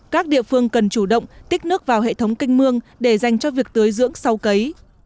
các địa phương cần chủ động tích nước vào hệ thống canh mương để dành cho việc tưới dưỡng sau cấy